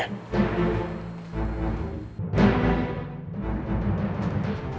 boleh dinaikin sedikit volume ya